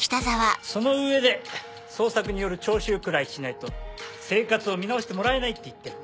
その上で捜索による徴収くらいしないと生活を見直してもらえないって言ってるの。